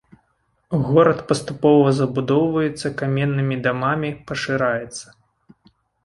Горад паступова забудоўваецца каменнымі дамамі, пашыраецца.